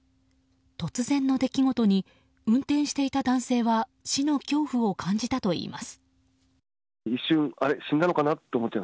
突然の出来事に運転していた男性は死の恐怖を感じたといいます。